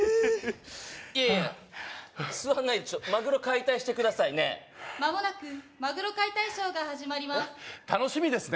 いやいや座んないでマグロ解体してくださいねえまもなくマグロ解体ショーが始まります楽しみですね